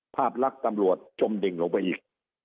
ภาพลักษณ์ตำรวจจมดิ่งลงไปอีก